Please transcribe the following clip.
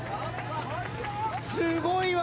すごいわ。